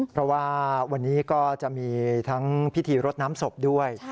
เพราะว่าวันนี้ก็จะมีทั้งพิธีรดน้ำศพด้วย